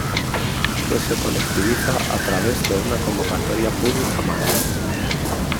que se colectiviza a través de una convocatoria pública más